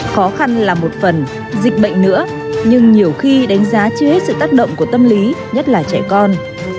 khó khăn là một phần dịch bệnh nữa nhưng nhiều khi đánh giá chưa hết sự tác động của tâm lý nhất là trẻ con